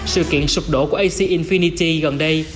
sự kiện sụp đổ của ac infinity gần đây